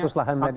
satus lahan tadi